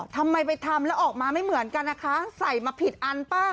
ทำไมไปทำแล้วออกมาไม่เหมือนกันนะคะใส่มาผิดอันป่ะ